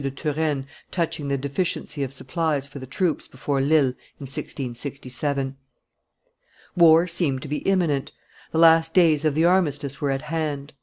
de Turenne touching the deficiency of supplies for the troops before Lille in 1667. War seemed to be imminent; the last days of the armistice were at hand.